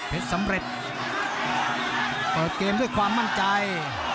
สำเร็จเปิดเกมด้วยความมั่นใจ